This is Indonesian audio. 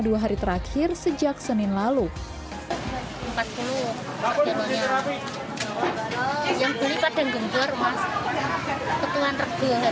dua hari terakhir sejak senin lalu empat puluh yang ini pada gembur mas petualang tergolong harganya